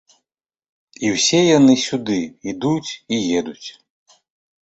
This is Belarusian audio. І ўсе яны сюды ідуць і едуць.